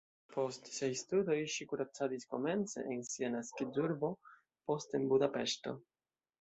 Post siaj studoj ŝi kuracadis komence en sia naskiĝurbo, poste en Budapeŝto.